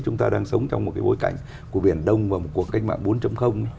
chúng ta đang sống trong một cái bối cảnh của biển đông và một cuộc cách mạng bốn